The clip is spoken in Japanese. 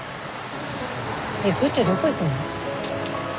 行くってどこ行くの？